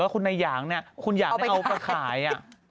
แล้วคุณในอย่างนี่คุณอยากเอาไปขาย